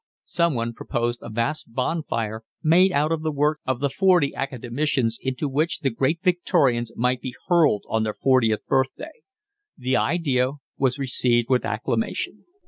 Someone proposed a vast bonfire made out of the works of the Forty Academicians into which the Great Victorians might be hurled on their fortieth birthday. The idea was received with acclamation.